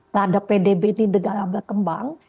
terhadap pdb di negara berkembang